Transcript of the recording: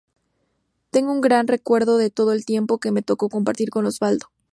Tengo un gran recuerdo de todo el tiempo que me tocó compartir con Osvaldo.